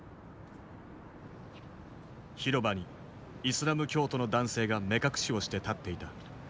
広場にイスラム教徒の男性が目隠しをして立っていた。